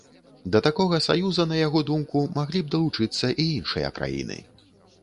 Да такога саюза, на яго думку, маглі б далучыцца і іншыя краіны.